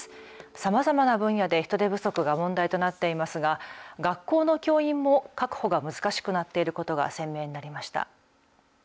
さまざまな分野で人手不足が問題となっていますが学校の教員も確保が難しくなっていることが鮮明になりました。